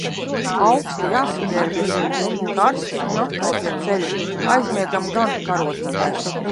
Auksti, jāsaģērbjas. Karsti un atkal tie ceļi. Aizmiegam gan karotītēs.